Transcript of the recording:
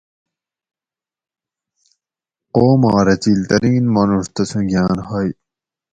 قوماں رزیل ترین مانوڛ تسوں گھاۤن ہوئے